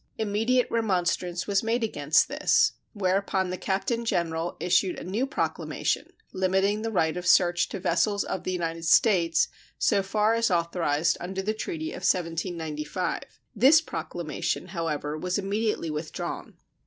Immediate remonstrance was made against this, whereupon the Captain General issued a new proclamation limiting the right of search to vessels of the United States so far as authorized under the treaty of 1795. This proclamation, however, was immediately withdrawn.